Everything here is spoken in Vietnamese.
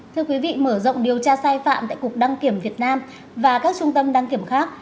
thưa quý vị mở rộng điều tra sai phạm tại cục đăng kiểm việt nam và các trung tâm đăng kiểm khác